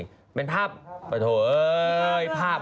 ก็ห่วงชีวิตภาพ